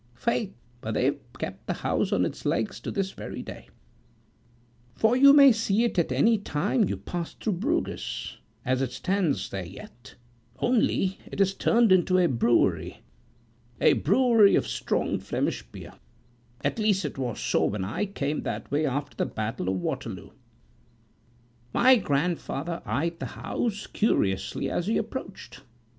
Faith, but they've kept the house on its legs to this very day; for you may see it any time you pass through Bruges, as it stands there yet; only it is turned into a brewery a brewery of strong Flemish beer; at least it was so when I came that way after the battle of Waterloo.My grandfather eyed the house curiously as he approached.